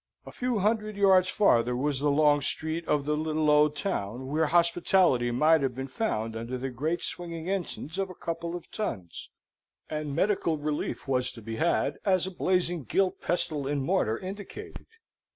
A few hundred yards farther, was the long street of the little old town, where hospitality might have been found under the great swinging ensigns of a couple of tuns, and medical relief was to be had, as a blazing gilt pestle and mortar indicated.